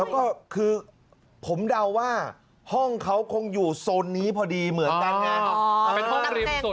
เป็นห้องริมสดเหมือนกัน